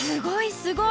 すごい！